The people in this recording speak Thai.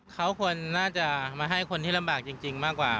เขาควรน่าจะมาให้คนที่ลำบากจริงมากกว่า